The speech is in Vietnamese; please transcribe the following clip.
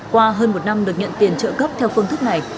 qua hơn một năm được nhận tiền trợ cấp theo phương thức này